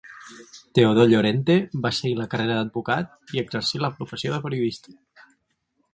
Teodor Llorente va seguir la carrera d'advocat i exercí la professió de periodista.